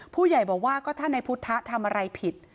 ผู้ใหญ่บอกว่าก็ถ้าในพุทธทำอะไรผิด